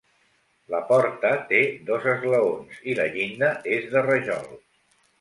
La porta té dos esglaons i la llinda és de rajol.